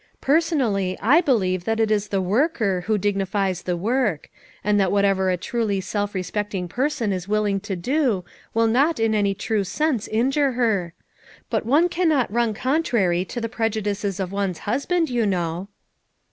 Personally I believe that it is the worker who dignifies the work; and that whatever a truly self respecting person is willing to do, will not in any true sense injure her; but one cannot run contrary to the prejudices of one's husband, you know."